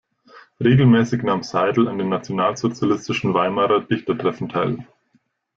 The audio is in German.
Regelmäßig nahm Seidl an den nationalsozialistischen Weimarer Dichtertreffen teil.